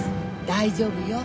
大丈夫よ。